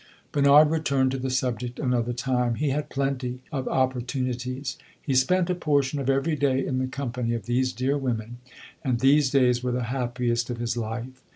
Bernard returned to the subject another time he had plenty of opportunities. He spent a portion of every day in the company of these dear women; and these days were the happiest of his life.